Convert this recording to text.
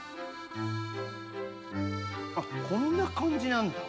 こんな感じなんだ。